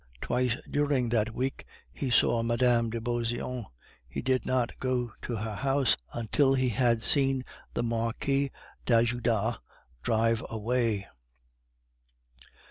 Twice during that week he saw Mme. de Beauseant; he did not go to her house until he had seen the Marquis d'Ajuda drive away.